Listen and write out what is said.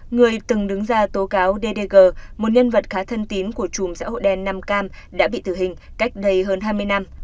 người từng đứng ra tố cáo ddg một nhân vật khá thân tím của chùm xã hội đen nam cam đã bị tử hình cách đây hơn hai mươi năm